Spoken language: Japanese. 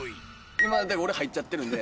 今だから俺入っちゃってるんで。